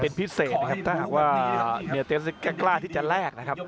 เป็นพิเศษนะครับถ้าหากว่าเมียเตสก็กล้าที่จะแลกนะครับ